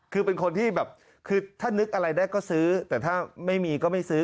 คือเป็นคนที่แบบคือถ้านึกอะไรได้ก็ซื้อแต่ถ้าไม่มีก็ไม่ซื้อ